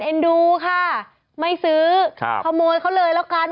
ดูค่ะไม่ซื้อขโมยเขาเลยแล้วกัน